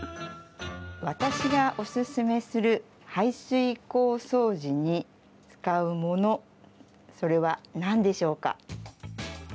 私がおすすめする排水口掃除に使うものそれは何でしょうか？